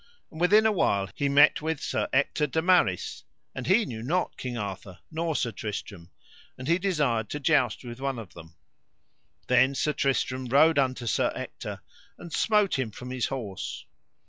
And within a while he met with Sir Ector de Maris, and he knew not King Arthur nor Sir Tristram, and he desired to joust with one of them. Then Sir Tristram rode unto Sir Ector, and smote him from his horse.